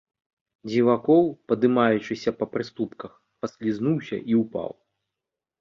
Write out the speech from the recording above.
Дзівакоў, паднімаючыся па прыступках, паслізнуўся і ўпаў.